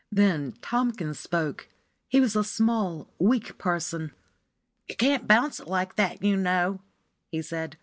Then Tomkins spoke. He was a small, weak person. "You can't bounce it like that, you know," he said.